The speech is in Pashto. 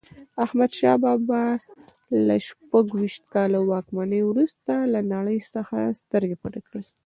احمدشاه بابا له شپږویشت کاله واکمنۍ وروسته له نړۍ څخه سترګې پټې کړې.